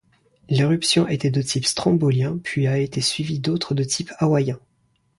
L'éruption était de type strombolien puis a été suivie d'autres de type hawaïeen.